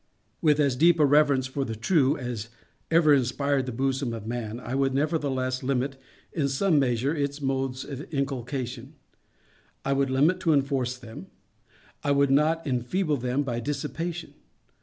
With as deep a reverence for the True as ever inspired the bosom of man, I would nevertheless limit, in some measure, its modes of inculcation. I would limit to enforce them. I would not enfeeble them by dissipation.